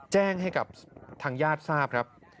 แจ้งให้กับทางญาติทราบครับ